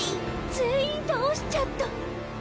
全員倒しちゃった！